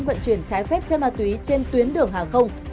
vận chuyển trái phép chân ma túy trên tuyến đường hàng không